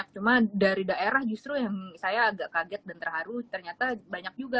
cuma dari daerah justru yang saya agak kaget dan terharu ternyata banyak juga